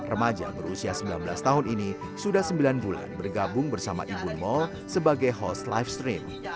remaja berusia sembilan belas tahun ini sudah sembilan bulan bergabung bersama ibu mall sebagai host live stream